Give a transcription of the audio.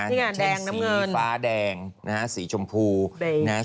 ใช่ไงแดงน้ำเงินใช่สีฟ้าแดงนะฮะสีชมพูนะฮะ